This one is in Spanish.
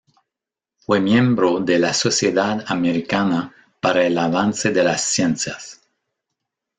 Fue miembro de la "Sociedad Americana para el avance de las Ciencias".